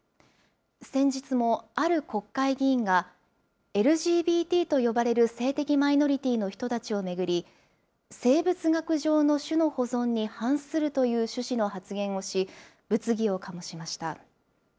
先日もある国会議員が、ＬＧＢＴと呼ばれる性的マイノリティーの人たちを巡り、生物学上の種の保存に反するという趣旨の発言をし、物議を醸しました。